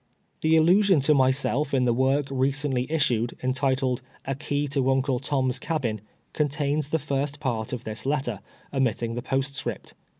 The allusion to myself in tlic work recently issued, entitled " A Key to Uncle Tom's Cabin," contains the first part of this letter, omitting the postscript.